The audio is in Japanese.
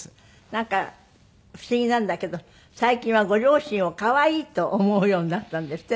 なんか不思議なんだけど最近はご両親を可愛いと思うようになったんですって？